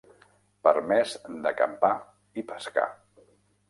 Permès d'acampar i pescar.